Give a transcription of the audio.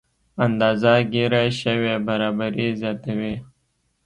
اندازه ګیره شوې برابري زیاتوي.